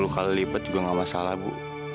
sepuluh kali lipat juga nggak masalah bu